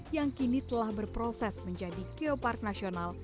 yang kini telah berproses menjadi geopark nasional